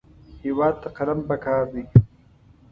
هېواد ته قلم پکار دی